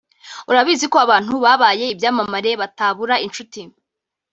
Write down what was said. urabizi ko abantu babaye ibyamamare batabura inshuti